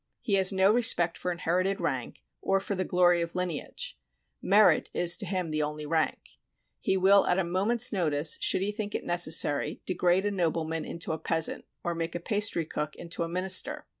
He has no respect for inherited rank or for the glory of lineage ; merit is to him the only rank. He will at a moment's notice, should he think it necessary, degrade a nobleman into a peasant or make a pastry cook into a minister.